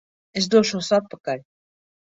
Es došos atpakaļ!